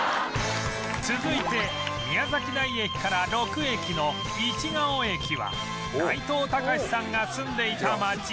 続いて宮崎台駅から６駅の市が尾駅は内藤剛志さんが住んでいた街